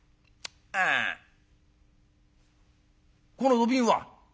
「あこの土瓶は？」。